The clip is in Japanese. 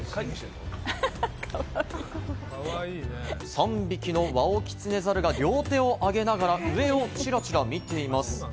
３匹のワオキツネザルが両手を上げながら上をチラチラ見ています。